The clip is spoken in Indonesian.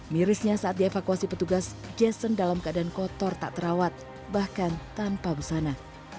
mirisnya saat dievakuasi petugas jason dalam keadaan kotor tak terawat bahkan tanpa busana